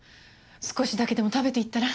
少しだけでも食べていったら？